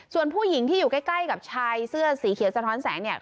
ส่วนผู้หญิงที่อยู่ใกล้กับชายเสื้อสีเขียวสะท้อนแสงเนี่ย